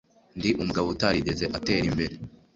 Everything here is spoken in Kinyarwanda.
ndi umugabo utarigeze atera imbere